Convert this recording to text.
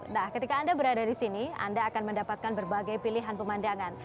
nah ketika anda berada di sini anda akan mendapatkan berbagai pilihan pemandangan